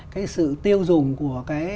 cái sự tiêu dùng của cái